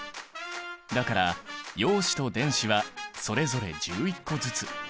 だから陽子と電子はそれぞれ１１個ずつ。